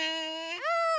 うん！